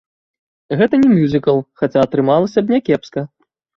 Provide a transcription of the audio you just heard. Гэта не мюзікл, хаця атрымалася б някепска.